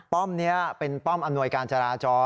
นี้เป็นป้อมอำนวยการจราจร